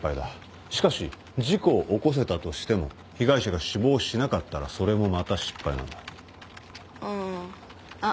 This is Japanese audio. しかし事故を起こせたとしても被害者が死亡しなかったらそれもまた失敗なんだ。ああ。